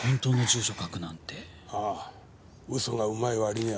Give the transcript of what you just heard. ああ嘘がうまい割にはな。